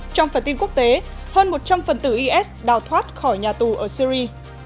trong phần tin quốc tế hơn một trăm linh phần tử is đào thoát khỏi nhà tù ở syri